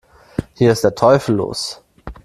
Hier ist der Teufel los!